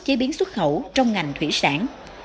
chế biến xuất khẩu trong ngành thủy sản